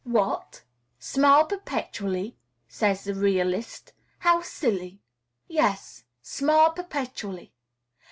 "What! smile perpetually?" says the realist. "How silly!" Yes, smile perpetually!